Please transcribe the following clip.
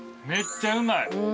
めっちゃうまい！